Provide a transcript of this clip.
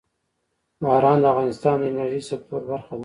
باران د افغانستان د انرژۍ سکتور برخه ده.